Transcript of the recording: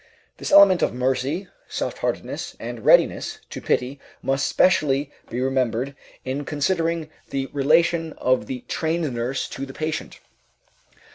This element of mercy, soft heartedness, and readiness to pity must specially be remembered in considering the relation of the trained nurse to the patient.